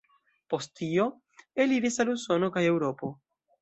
Post tio, eliris al Usono kaj Eŭropo.